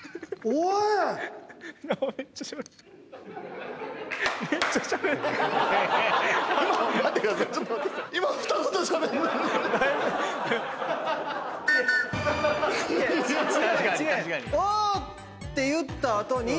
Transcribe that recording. お！って言った後に。